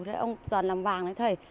thế ông dần làm vàng đấy thôi